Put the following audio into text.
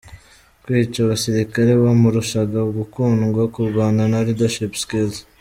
Kwica abasirikare bamurushaga gukundwa, kurwana na leadership skills